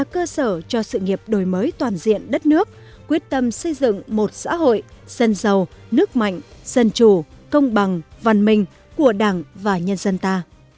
cơ sở cho sự nghiệp đổi mới toàn diện đất nước quyết tâm xây dựng một xã hội dân giàu nước mạnh dân chủ công bằng văn minh của đảng và nhân dân ta